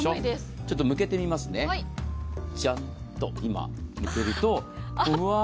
ちょっと向けてみますね、ジャンと今向けると？